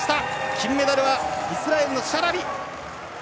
金メダルはイスラエルのシャラビ。